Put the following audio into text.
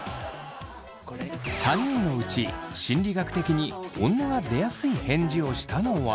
３人のうち心理学的に本音がでやすい返事をしたのは。